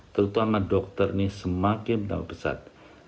terutama dokter ini semakin berbesar